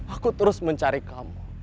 aku terus mencari kamu